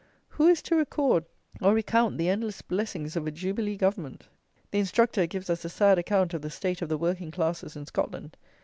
who is to record or recount the endless blessings of a Jubilee Government! The "instructor" gives us a sad account of the state of the working classes in Scotland.